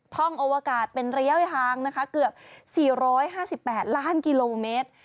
ท่องโอเวอร์กาสเป็นระยะทางเกือบ๔๕๘ล้านกิโลเมตร